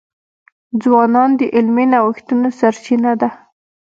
ځوانان د علمي نوښتونو سرچینه ده.